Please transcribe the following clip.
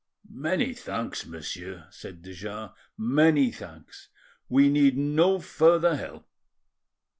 "Many thanks, monsieur," said de Jars,—"many thanks; we need no further help."